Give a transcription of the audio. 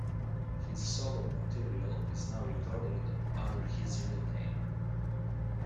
His solo material is now recorded under his real name.